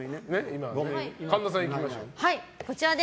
神田さん、いきましょう。